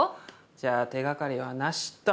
じゃあ手掛かりはなしと。